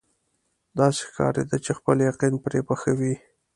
داسې ښکارېده چې خپل یقین پرې پخوي.